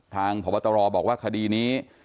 พบตรบอกว่าคดีนี้